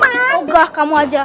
moh gah kamu aja